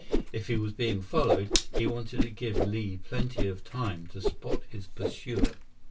If he was being followed, he wanted to give Li plenty of time to spot his pursuer.